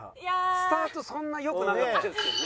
スタートそんな良くなかったですけどね。